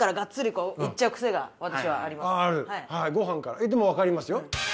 ご飯からでも分かりますよ